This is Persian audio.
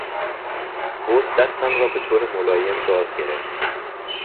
بز دستم را به طور ملایم گاز گرفت.